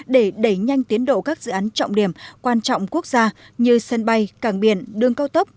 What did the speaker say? để đẩy nhanh tiến độ các dự án trọng điểm quan trọng quốc gia như sân bay càng biển đường cao tốc